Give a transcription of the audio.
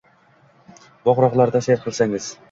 bog‘-rog‘larda sayr qilsangiz